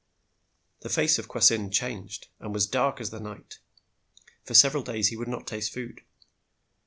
The face of Ivwasynd changed and was dark as the night. For several days he would not taste food.